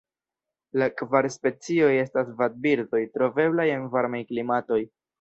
La kvar specioj estas vadbirdoj troveblaj en varmaj klimatoj.